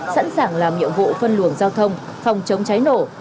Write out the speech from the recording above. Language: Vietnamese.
sẵn sàng làm nhiệm vụ phân luồng giao thông phòng chống cháy nổ